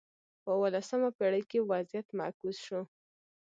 په اولسمه پېړۍ کې وضعیت معکوس شو.